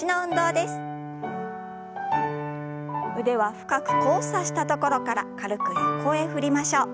腕は深く交差したところから軽く横へ振りましょう。